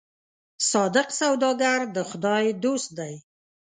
صادق سوداګر د خدای دوست دی.